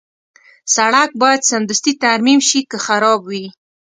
سړک باید سمدستي ترمیم شي که خراب وي.